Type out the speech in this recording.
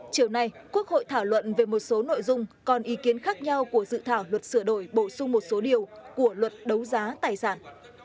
chiều nay quốc hội thảo luận về một số nội dung còn ý kiến khác nhau của dự thảo luật sửa đổi bổ sung một số điều của luật đấu giá tài sản